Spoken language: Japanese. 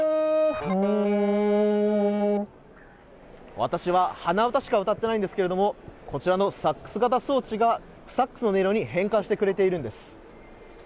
私は鼻歌しか歌ってないんですけどもこちらのサックス型装置がサックスの音色に変換してくれているんです。